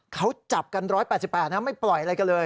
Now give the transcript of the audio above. เขาจับกัน๑๘๘นะไม่ปล่อยอะไรกันเลย